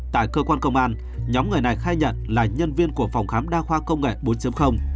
tại cơ quan công an nhóm người này khai nhận là nhân viên của phòng khám đa khoa công nghệ bốn